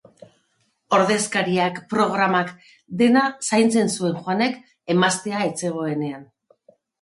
Ordezkariak, programak... dena zaintzen zuen Juanek emaztea ez zegoenean.